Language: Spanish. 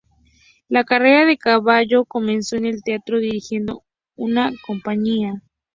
La carrera de Cavallo comenzó en el teatro, dirigiendo una compañía.